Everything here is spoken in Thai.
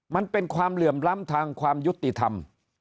มันเป็นความเหลื่อมล้ำทางความยุติธรรม